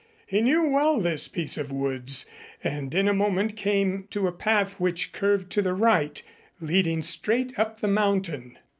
He knew well this piece of woods, and in a moment came to a path which curved to the right, leading straight up the mountain.